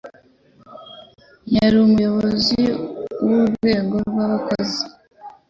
Yari umuyobozi wurwego rwabakozi.